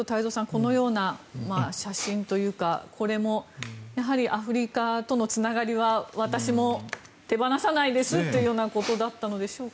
このような写真というか、これもやはりアフリカとのつながりは私も手放さないですというようなことだったのでしょうか。